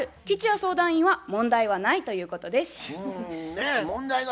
吉弥相談員は「問題はない」ということです。